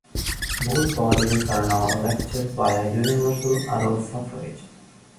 Both bodies are now elected via universal adult suffrage.